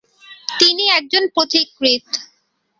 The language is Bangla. তিনি একজন পথিকৃৎ ।